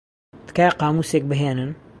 تکایە قامووسێک بھێنن.